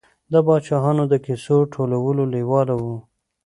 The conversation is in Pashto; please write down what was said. د پاچاهانو د کیسو ټولولو لېواله و.